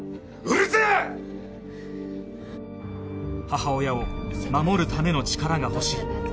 母親を守るための力が欲しい